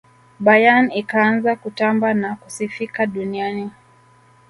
bayern ikaanza kutamba na kusifika duniani